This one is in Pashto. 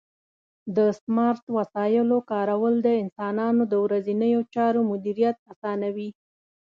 د سمارټ وسایلو کارول د انسانانو د ورځنیو چارو مدیریت اسانوي.